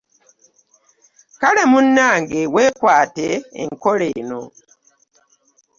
Kale munnange weekwate enkola eno.